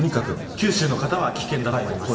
九州の方は危険だと思います。